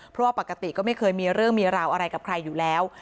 เพราะว่าปกติก็ไม่เคยมีเรื่องมีราวอะไรกับใครอยู่แล้ว